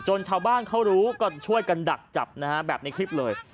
ชาวบ้านเขารู้ก็ช่วยกันดักจับนะฮะแบบในคลิปเลย